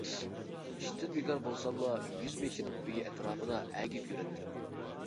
ئىشتىن بىكار بولساملا يۈز بېشىنىڭ ئۆيى ئەتراپىدا ئەگىپ يۈرەتتىم.